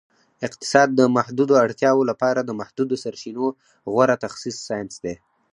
اقتصاد د محدودو اړتیاوو لپاره د محدودو سرچینو غوره تخصیص ساینس دی